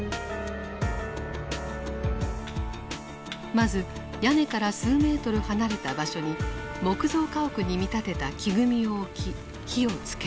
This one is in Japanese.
まず屋根から数ｍ離れた場所に木造家屋に見立てた木組みを置き火をつける。